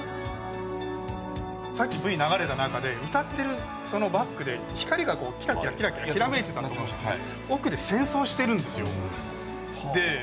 さっき、Ｖが流れた中で歌ってる、そのバックで光がキラキラ、キラキラきらめいてたと思うんですね。